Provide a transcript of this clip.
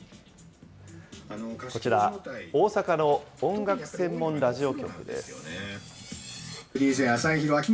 こちら、大阪の音楽専門ラジオ局です。